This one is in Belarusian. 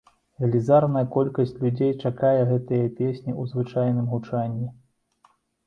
Велізарная колькасць людзей чакае гэтыя песні ў звычайным гучанні.